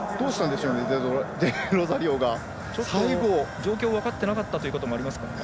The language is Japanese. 状況分かってなかったということもありますか？